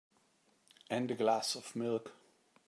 And a glass of milk.